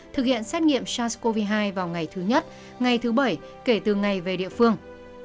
thực hiện xét nghiệm sars cov hai vào ngày thứ nhất ngày thứ bảy kể từ ngày về địa phương